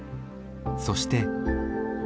そして。